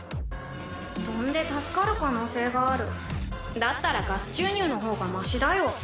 飛んで助かる可能性があるだったらガス注入の方がマシだよ